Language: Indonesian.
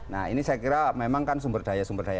nah ini saya kira memang kan sumber daya sumber daya